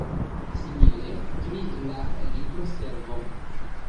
Simile pri la libroservo.